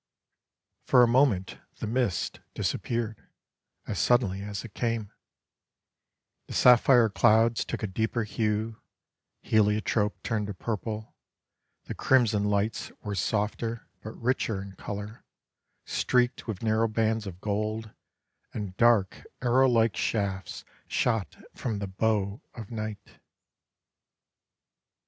For a moment the mist disappeared, as suddenly as it came; the sapphire clouds took a deeper hue, heliotrope turned to purple, the crimson lights were softer but richer in colour, streaked with narrow bands of gold, and dark arrowlike shafts shot from the bow of Night.